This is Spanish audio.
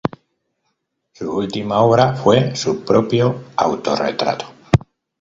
Su última obra fue su propio autorretrato.